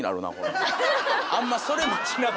あんまそれ持ちながら。